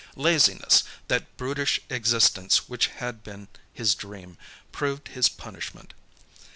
Laziness, that brutish existence which had been his dream, proved his punishment.